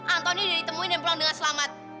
antoni ditemuin dan pulang dengan selamat